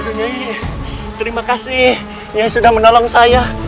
aduh nyai terima kasih nyai sudah menolong saya